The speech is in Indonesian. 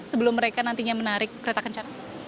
sebelum mereka nantinya menarik kereta kencana